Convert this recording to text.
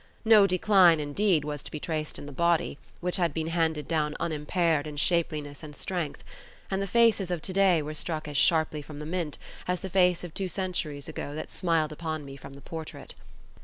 No decline, indeed, was to be traced in the body, which had been handed down unimpaired in shapeliness and strength; and the faces of to day were struck as sharply from the mint, as the face of two centuries ago that smiled upon me from the portrait.